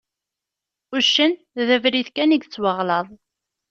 Uccen d abrid kan i yettwaɣlaḍ.